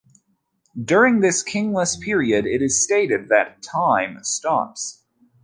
During this kingless period, it is stated that 'time stops'.